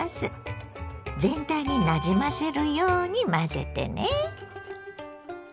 全体になじませるように混ぜてね。